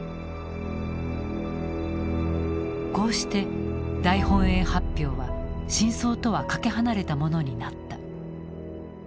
こうして大本営発表は真相とはかけ離れたものになった。